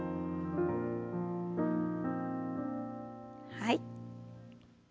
はい。